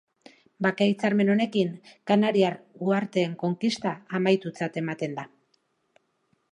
Bake hitzarmen honekin, Kanariar uharteen konkista, amaitutzat ematen da.